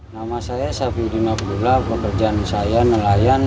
nama saya safiuddin abdullah pekerjaan saya nelayan